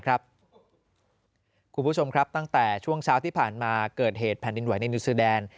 คุณผู้ชมครับตั้งแต่ช่วงเช้าที่ผ่านมาเกิดเหตุแผ่นดินไหวในนิวซีแดน